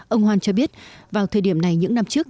ông hoan cho biết vào thời điểm này những năm trước